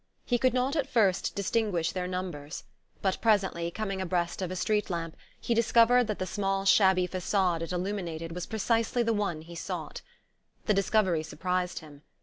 He could not, at first, distinguish their numbers; but presently, coming abreast of a street lamp, he discovered that the small shabby facade it illuminated was precisely the one he sought. The discovery surprised him.